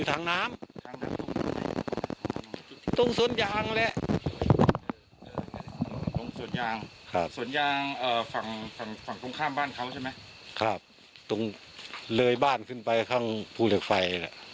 ครับตรงเลยบ้านขึ้นไปข้างภูเหล็กไฟ